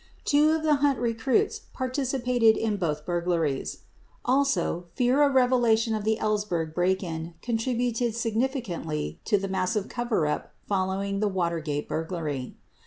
72 Two of the Hunt recruits participated in both burglaries. 73 Also, fear of revelation of the Ellsberg break in contributed signifi cantly to the massive coverup following the Watergate burglary.